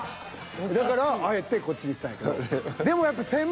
だからあえてこっちにしたんやけど。